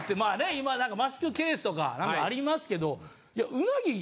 今なんかマスクケースとかありますけど。